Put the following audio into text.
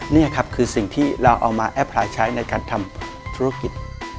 นี่ครับคือสิ่งที่เราเอามาแอปพลายใช้ในการทำธุรกิจ